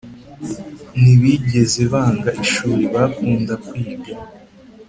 Ntibigeze banga ishuri, bakunda kwiga